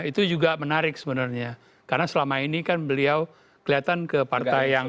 itu juga menarik sebenarnya karena selama ini kan beliau kelihatan ke partai yang